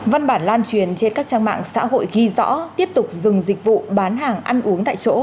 văn bản lan truyền trên các trang mạng xã hội ghi rõ tiếp tục dừng dịch vụ bán hàng ăn uống tại chỗ